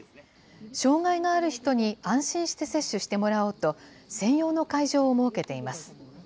障害がある人に安心して接種してもらおうと、専用の会場を設けています。